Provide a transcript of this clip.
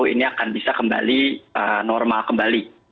ini akan bisa kembali normal kembali